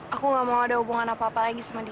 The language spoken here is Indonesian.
aku gak mau ada hubungan apa apa lagi sama dia